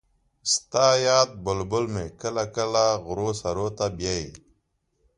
ستا یاد بلبل مې کله کله غرو سرو ته بیايي